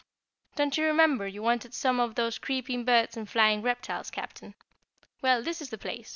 "Don't you remember you wanted some of those creeping birds and flying reptiles, Captain? Well, this is the place!"